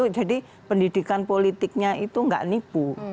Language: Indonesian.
jadi pendidikan politiknya itu gak nipu